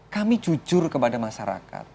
kami jujur kepada masyarakat